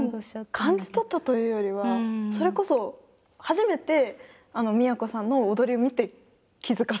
感じ取ったというよりはそれこそ初めて都さんの踊りを見て気付かされたので。